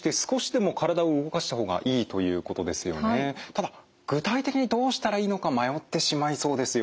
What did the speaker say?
ただ具体的にどうしたらいいのか迷ってしまいそうですよ。